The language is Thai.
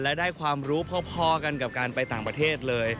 และได้ความรู้พอกันกับการไปต่างประเทศเลย